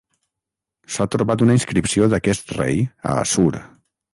S'ha trobat una inscripció d'aquest rei a Assur.